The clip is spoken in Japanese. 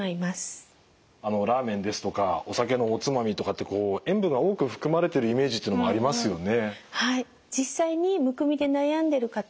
あのラーメンですとかお酒のおつまみとかってこう塩分が多く含まれてるイメージってのもありますよね。